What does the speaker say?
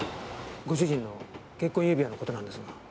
ご主人の結婚指輪の事なんですが。